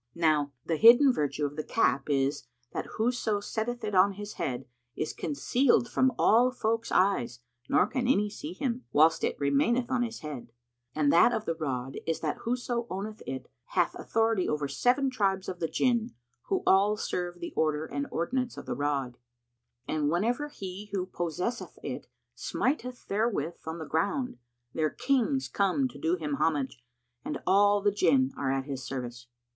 Now the hidden virtue of the cap is, that whoso setteth it on his head is concealed from all folks' eyes, nor can any see him, whilst it remaineth on his head; and that of the rod is that whoso owneth it hath authority over seven tribes of the Jinn, who all serve the order and ordinance of the rod; and whenever he who possesseth it smiteth therewith on the ground, their Kings come to do him homage, and all the Jinn are at his service."